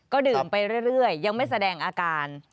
ก็ดื่มไปเรื่อยยังไม่แสดงอาการ